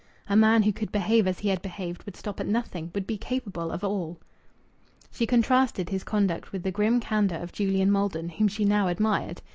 A man who could behave as he had behaved would stop at nothing, would be capable of all. She contrasted his conduct with the grim candour of Julian Maldon, whom she now admired.